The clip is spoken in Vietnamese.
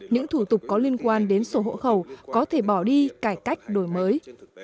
những thủ tục có liên quan đến sổ hộ khẩu có thể bỏ đi cải cách đổi mới